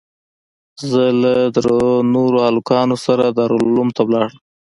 زه له درېو نورو هلکانو سره دارالعلوم ته ولاړم.